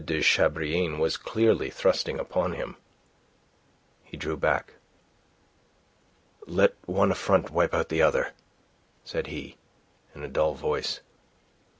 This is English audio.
de Chabrillane was clearly thrusting upon him. He drew back. "Let one affront wipe out the other," said he, in a dull voice.